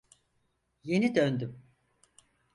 Yeni döndüm.